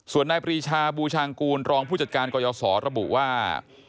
ส่วนนายปรีชาบูชางกูลรองผู้จัดการกยศระบุว่า